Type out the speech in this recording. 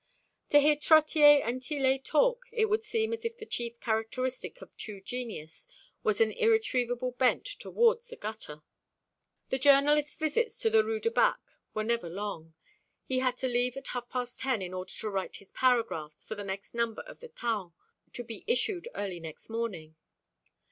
To hear Trottier and Tillet talk, it would seem as if the chief characteristic of true genius was an irretrievable bent towards the gutter. The journalist's visits in the Rue du Bac were never long. He had to leave at half past ten, in order to write his paragraphs for the next number of the Taon, to be issued early next morning.